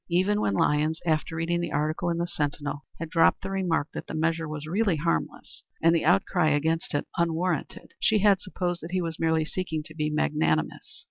Even when Lyons, after reading the article in the Sentinel, had dropped the remark that the measure was really harmless and the outcry against it unwarranted, she had supposed that he was merely seeking to be magnanimous.